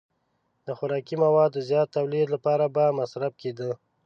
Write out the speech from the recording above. د خوراکي موادو زیات تولید لپاره به مصرف کېده.